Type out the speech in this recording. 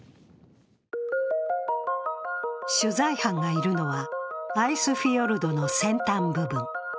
取材班がいるのは、アイスフィヨルドの先端部分。